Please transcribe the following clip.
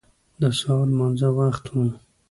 د سهار لمانځه وخت و.